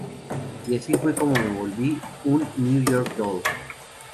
Y así fue como me volví un New York Doll.